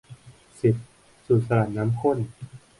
สิบ สูตรสลัดน้ำข้น